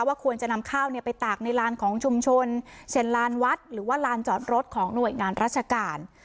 ควรจะนำข้าวไปตากในลานของชุมชนเช่นลานวัดหรือว่าลานจอดรถของหน่วยงานราชการ